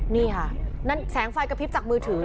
นี่ค่ะนั่นแสงไฟกระพริบจากมือถือ